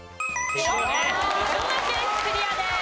群馬県クリアです。